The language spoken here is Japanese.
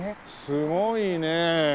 すごいねえ。